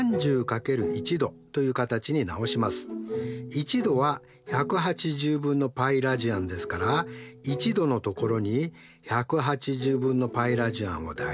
１°は１８０分のπラジアンですから１°のところに１８０分のπラジアンを代入します。